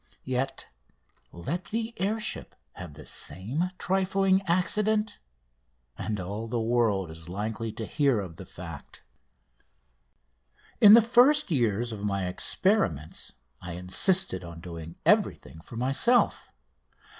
Yet let the air ship have the same trifling accident and all the world is likely to hear of the fact. In the first years of my experiments I insisted on doing everything for myself.